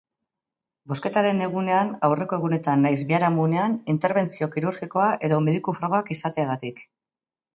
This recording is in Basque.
Bozketaren egunean, aurreko egunetan nahiz biharamunean interbentzio kirurgikoa edo mediku frogak izateagatik.